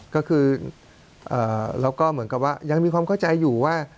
ก็คือเราก็เหมือนกับว่ายังมีความเข้าใจอยู่ว่า